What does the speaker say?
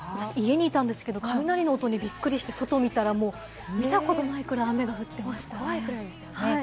家にいたんですが雷の音にびっくりして外を見たら見たことないくらい雨が降っていましたね。